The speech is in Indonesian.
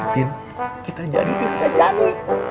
tin kita jadi tin kita jadi